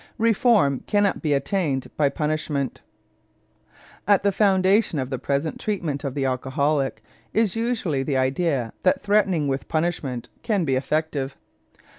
REFORM CANNOT BE ATTAINED BY PUNISHMENT At the foundation of the present treatment of the alcoholic is usually the idea that threatening with punishment can be effective.